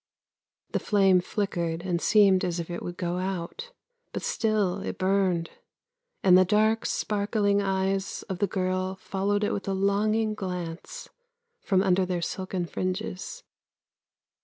The flame flickered and seemed as if it would go out, but still it burned, and the dark sparkling eyes of the girl followed it with a longing glance, from under their silken fringes.